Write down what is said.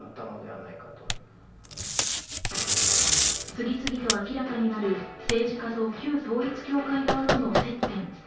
次々と明らかになる政治家と旧統一教会側との接点。